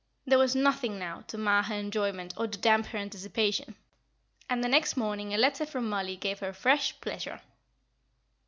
There was nothing now to mar her enjoyment or to damp her anticipation. And the next morning a letter from Mollie gave her fresh pleasure.